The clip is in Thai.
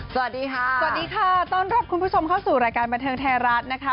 สวัสดีค่ะสวัสดีค่ะต้อนรับคุณผู้ชมเข้าสู่รายการบันเทิงไทยรัฐนะคะ